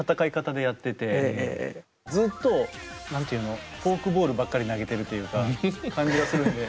ずっと何て言うのフォークボールばっかり投げているというか感じがするんで。